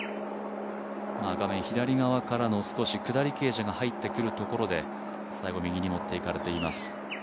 画面左側からの少し左傾斜が入っていくところで最後、右に持っていかれています。